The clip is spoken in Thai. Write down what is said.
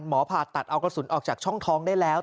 ผ่าตัดเอากระสุนออกจากช่องท้องได้แล้ว